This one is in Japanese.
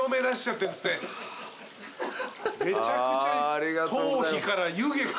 めちゃくちゃ。